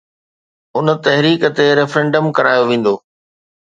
ان تحريڪ تي ريفرنڊم ڪرايو ويندو